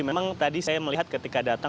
memang tadi saya melihat ketika datang